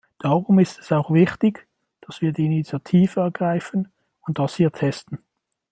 Darum ist es auch wichtig, dass wir die Initiative ergreifen und das hier testen.